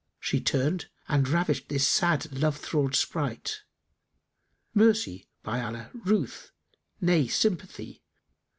She turned and ravished this sad Love thrall'd sprite; * Mercy, by Allah, ruth; nay, sympathy!